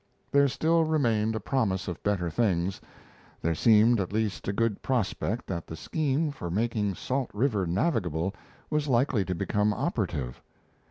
There still remained a promise of better things. There seemed at least a good prospect that the scheme for making Salt River navigable was likely to become operative.